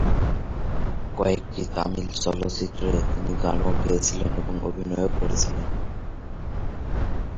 কয়েকটি তামিল চলচ্চিত্রে তিনি গানও গেয়েছিলেন এবং অভিনয়ও করেছিলেন।